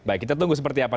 baik kita tunggu seperti apa